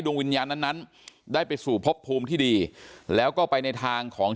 วิญญาณนั้นนั้นได้ไปสู่พบภูมิที่ดีแล้วก็ไปในทางของ